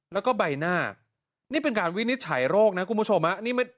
แล้วก็ใบหน้านี่เป็นการวินิจฉายโรคนะ